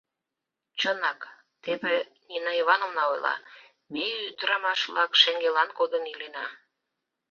Чынак, теве Нина Ивановна ойла: ме, ӱдырамаш-влак, шеҥгелан кодын илена.